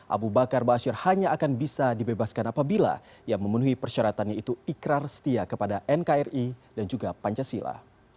abu bakar bashir hanya akan bisa dibebaskan apabila yang memenuhi persyaratannya itu ikrar setia kepada nkri dan juga pancasila